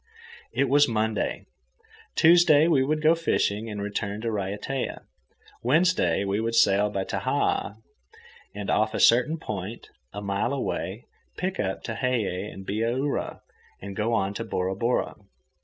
It was Monday. Tuesday we would go fishing and return to Raiatea. Wednesday we would sail by Tahaa and off a certain point, a mile away, pick up Tehei and Bihaura and go on to Bora Bora.